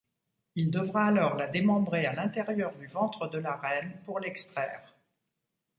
Il devra alors la démembrer à l'intérieur du ventre de la reine pour l'extraire.